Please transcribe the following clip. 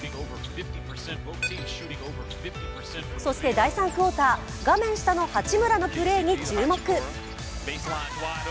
そして第３クオーター、画面下の八村のプレーに注目。